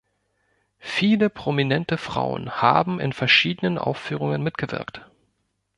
Viele prominente Frauen haben in verschiedenen Aufführungen mitgewirkt.